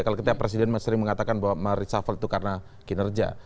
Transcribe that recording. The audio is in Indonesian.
kalau ketika presiden sering mengatakan bahwa mah merah disafal itu karena kinerja